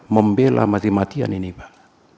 membela mati matian ini pak